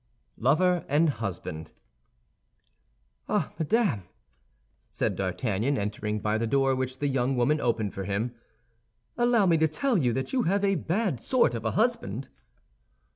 LOVER AND HUSBAND Ah, Madame," said D'Artagnan, entering by the door which the young woman opened for him, "allow me to tell you that you have a bad sort of a husband."